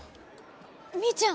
みーちゃん